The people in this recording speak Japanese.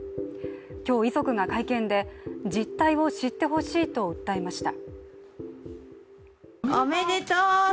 今日、遺族が会見で実態を知ってほしいと訴えました。